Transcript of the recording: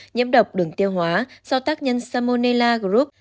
nhiễm độc đường tiêu hóa do tác nhân samonella group